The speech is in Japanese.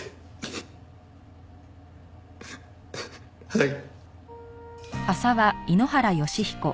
はい。